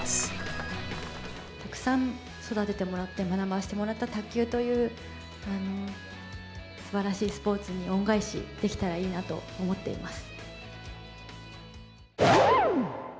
たくさん育ててもらって、学ばせてもらった、卓球というすばらしいスポーツに恩返しできたらいいなと思っています。